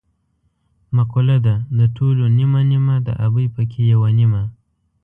مقوله ده: د ټولو نیمه نیمه د ابۍ پکې یوه نیمه.